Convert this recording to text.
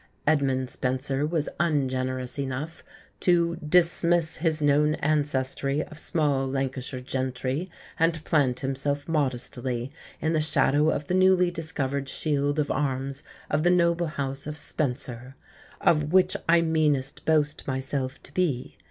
Edmund Spenser was ungenerous enough to "dismiss his known ancestry of small Lancashire gentry and plant himself modestly in the shadow of the newly discovered shield of arms of the noble house of Spencer, 'of which I meanest boast myself to be.'"